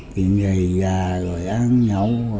chuyện gì gà rồi ăn nhau